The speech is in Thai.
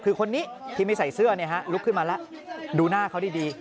คือคนนี้ที่ไม่ใส่เสื้อลุกขึ้นมาแล้วดูหน้าเขาดี